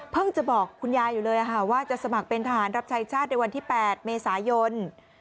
จะบอกคุณยายอยู่เลยว่าจะสมัครเป็นทหารรับใช้ชาติในวันที่๘เมษายน